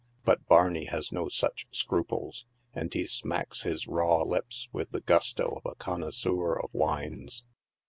But Barney has no such scruples, and he smacks his raw lip?; with the gusto of a connoisseur of wines.